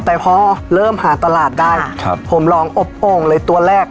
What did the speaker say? แต่พอเริ่มหาตลาดได้ผมลองอบโอ่งเลยตัวแรก